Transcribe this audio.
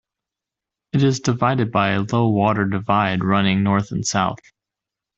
It is divided by a low water divide running north and south.